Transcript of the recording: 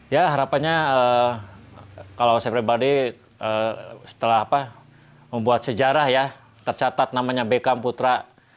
ya harapannya kalau saya pribadi setelah membuat sejarah ya tercatat namanya beckham putra